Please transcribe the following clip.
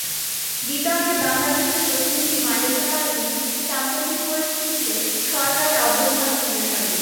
বিতর্কে বাংলাদেশের প্রতিনিধি মালেকা পারভীন সাম্প্রতিক পরিস্থিতিতে সরকারের অবস্থান তুলে ধরেন।